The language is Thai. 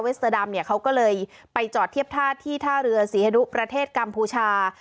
สเตอร์ดำเนี่ยเขาก็เลยไปจอดเทียบท่าที่ท่าเรือศรีฮดุประเทศกัมพูชา